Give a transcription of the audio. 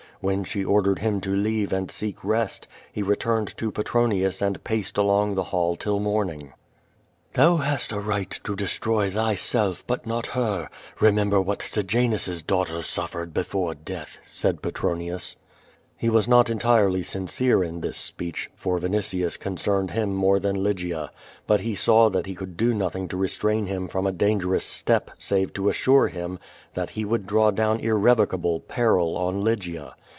When she ordered him to leave and seek rest, he returned to Petronius and paced along the hall till morning. "Thou liast a right to destrov thvself, but not her. Re member vxhat Sejanus's daughter suffered before death/' said Petronius. .84 OVO VADI^i. ITo was not entirely sinroro in this speech, for Vinitius concerned liim more tliau Ly^ia. But lie saw that he could do notliing to restrain him from a dangerous step save to assure him that he would draw down irrevocable peril on Lygia.